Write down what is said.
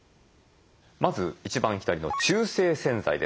まず一番左の中性洗剤です。